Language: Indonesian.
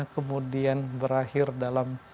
kemudian berakhir dalam